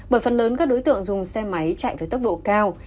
bởi phần lớn các đối tượng dùng xe máy chạy với tốc độ cao